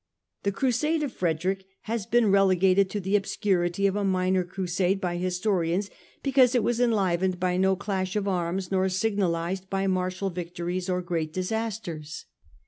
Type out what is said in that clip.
The Crusade of Frederick has been relegated to the obscurity of a Minor Crusade by historians because it was en livened by no clash of arms nor signalised by martial victories or great disasters.